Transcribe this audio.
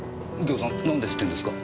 右京さんなんで知ってんですか？